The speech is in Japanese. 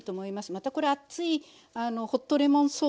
またこれあっついホットレモンソース？